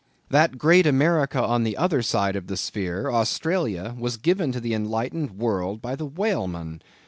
That great America on the other side of the sphere, Australia, was given to the enlightened world by the whaleman.